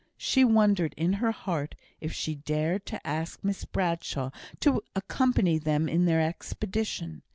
She wondered in her heart if she dared to ask Miss Bradshaw to accompany them in their expedition.